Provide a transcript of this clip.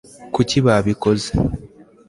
kuki babikoze